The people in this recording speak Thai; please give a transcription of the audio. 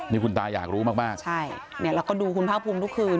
นี่คุณตาอยากรู้มากมากใช่เนี่ยแล้วก็ดูคุณภาคภูมิทุกคืน